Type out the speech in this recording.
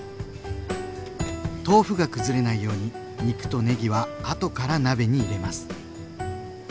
豆腐が崩れないように肉とねぎはあとから鍋に入れます。